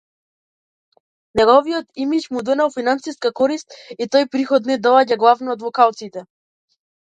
Неговиот имиџ му донел финансиска корист и тој приход не доаѓа главно од локалците.